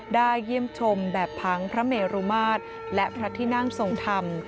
เยี่ยมชมแบบพังพระเมรุมาตรและพระที่นั่งทรงธรรม